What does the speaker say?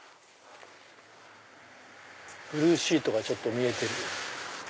ブルーシートがちょっと見えてる。